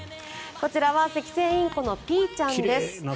こちらはセキセイインコのピーちゃんです。